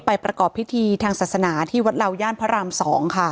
ประกอบพิธีทางศาสนาที่วัดเหล่าย่านพระราม๒ค่ะ